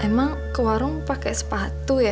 emang ke warung pakai sepatu ya